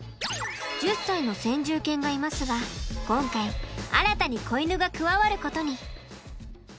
１０歳の先住犬がいますが今回新たに子犬が加わることに！